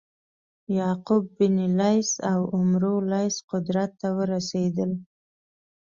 یعقوب بن لیث او عمرو لیث قدرت ته ورسېدل.